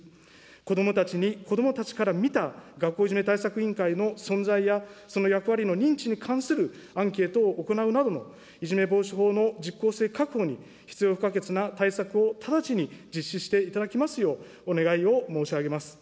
子どもたちに、子どもたちから見た学校いじめ対策委員会の存在や、その役割の認知に関するアンケートを行うなどのいじめ防止法の実効性確保に、必要不可欠な対策を直ちに実施していただきますよう、お願いを申し上げます。